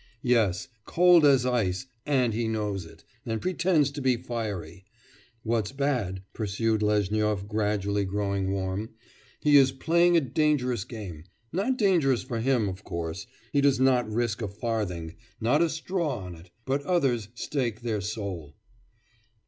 'Yes, cold as ice, and he knows it, and pretends to be fiery. What's bad,' pursued Lezhnyov, gradually growing warm, 'he is playing a dangerous game not dangerous for him, of course; he does not risk a farthing, not a straw on it but others stake their soul.